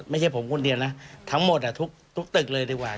ไม่ใช่ผมคนเดียวนะทั้งหมดทุกตึกเลยดีกว่า